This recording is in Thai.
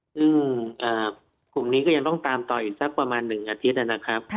ซึ่งกลุ่มนี้ก็ยังต้องตามต่ออีกสักประมาณ๑อาทิตย์นะครับ